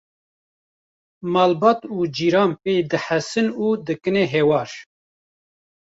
malbat û cîran pê dihesin û dikine hewar